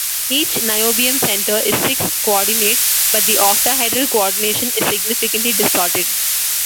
Each niobium centre is six-coordinate, but the octahedral coordination is significantly distorted.